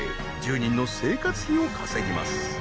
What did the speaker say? １０人の生活費を稼ぎます。